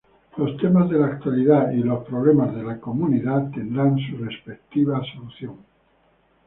Temas de la actualidad y problemas de la comunidad tendrán su respectiva solución.